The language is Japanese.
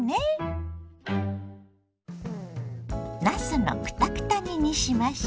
なすのクタクタ煮にしましょ。